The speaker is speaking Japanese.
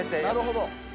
なるほど。